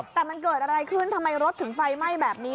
แต่มันเกิดอะไรขึ้นทำไมรถถึงไฟไหม้แบบนี้